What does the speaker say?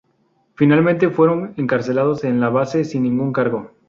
Finalmente, fueron encarcelados en la base sin ningún cargo.